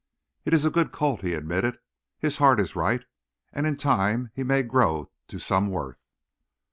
"It is a good colt," he admitted. "His heart is right, and in time he may grow to some worth."